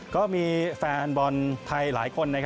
ก็มีแฟนบอลไทยหลายคน